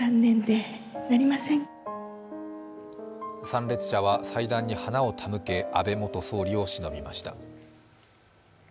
参列者は祭壇に花を手向け、安倍元総理をしのびました。